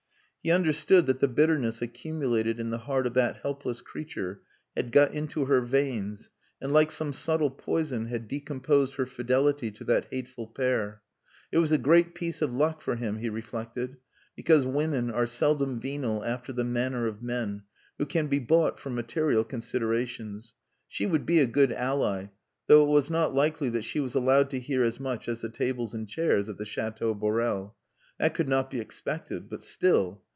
He understood that the bitterness accumulated in the heart of that helpless creature had got into her veins, and, like some subtle poison, had decomposed her fidelity to that hateful pair. It was a great piece of luck for him, he reflected; because women are seldom venal after the manner of men, who can be bought for material considerations. She would be a good ally, though it was not likely that she was allowed to hear as much as the tables and chairs of the Chateau Borel. That could not be expected. But still....